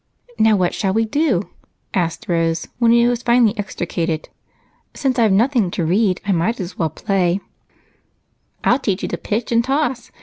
"Now what shall we do?" asked Rose when he was finally extricated. "Since I've nothing to read, I may as well play." "I'll teach you to pitch and toss.